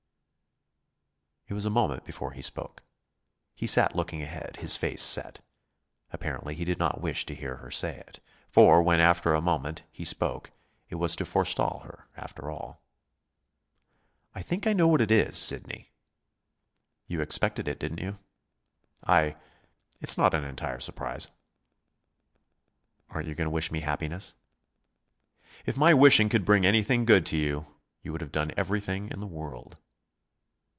It was a moment before he spoke. He sat looking ahead, his face set. Apparently he did not wish to hear her say it; for when, after a moment, he spoke, it was to forestall her, after all. "I think I know what it is, Sidney." "You expected it, didn't you?" "I it's not an entire surprise." "Aren't you going to wish me happiness?" "If my wishing could bring anything good to you, you would have everything in the world."